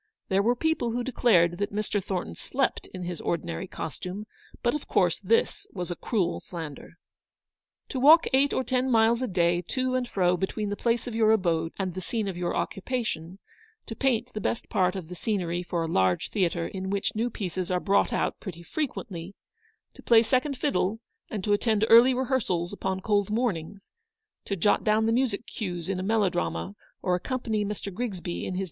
There were people who declared that Mr. Thornton slept in his ordinary costume ; but of course this was a cruel slander. To walk eight or nine miles a day to and fro between the place of your abode and the scene of your occupation ; to paint the best part of the scenery for a large theatre in which new pieces are brought out pretty frequently ; to play second fiddle, and attend early rehearsals upon cold mornings ; to jot down the music cues in a melodrama, or accompany Mr. Grigsby in his THE BLACK BUILDING BY THE RIVER.